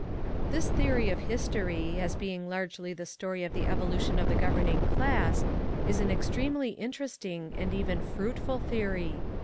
This theory of history, as being largely the story of the evolution of the "governing class," is an extremely interesting and even "fruitful" theory.